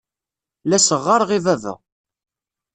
La as-ɣɣareɣ i baba.